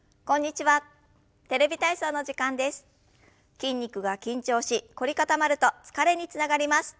筋肉が緊張し凝り固まると疲れにつながります。